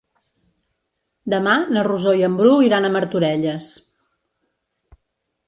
Demà na Rosó i en Bru iran a Martorelles.